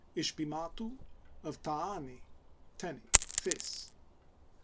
Ish'Pi ma a tu, of Ta a a ni (Teni This).